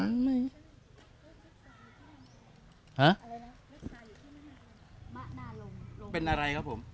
อะไรนะเป็นอะไรครับผม